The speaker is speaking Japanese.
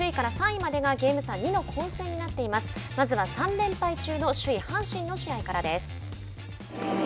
まずは３連敗中の首位阪神の試合からです。